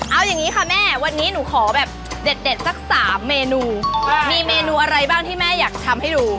เอาอย่างนี้ค่ะแม่วันนี้หนูขอแบบเด็ดสัก๓เมนูมีเมนูอะไรบ้างที่แม่อยากทำให้ดู